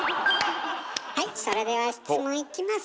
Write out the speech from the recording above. はいそれでは質問いきます。